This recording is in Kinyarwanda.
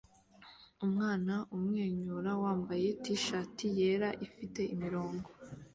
Umwana umwenyura wambaye t-shati yera ifite imirongo,